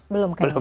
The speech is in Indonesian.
belum kali ini